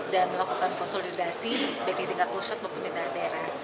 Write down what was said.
dan melakukan konsolidasi bktk kursus pembencian daerah